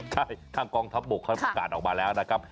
ใช่ท่านกองทัพบุคคญพาการออกมาแล้วนะครับ